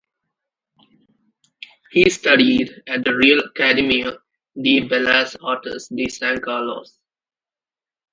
He studied at the Real Academia de Bellas Artes de San Carlos.